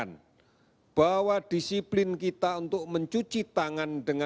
terr wang maini di sini yang menuntuthehe ruang ke facebook dan uang kirim keleirli